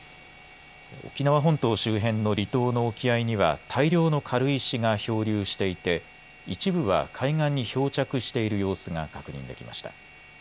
沖縄本島周辺の離島の沖合には大量の軽石が漂流していて一部は海岸に漂着している様子が確認できました。